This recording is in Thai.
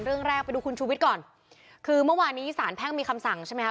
เรื่องแรกไปดูคุณชูวิทย์ก่อนคือเมื่อวานนี้สารแพ่งมีคำสั่งใช่ไหมค